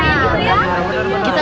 pendadak kayak gitu ya